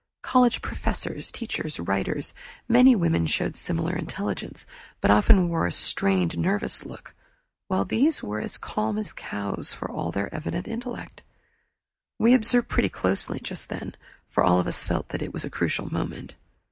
College professors, teachers, writers many women showed similar intelligence but often wore a strained nervous look, while these were as calm as cows, for all their evident intellect. We observed pretty closely just then, for all of us felt that it was a crucial moment.